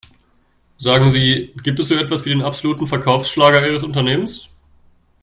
Sagen Sie, gibt es so etwas wie den absoluten Verkaufsschlager ihres Unternehmens?